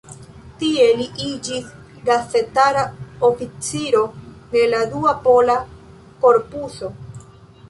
Tie li iĝis gazetara oficiro de la Dua Pola Korpuso.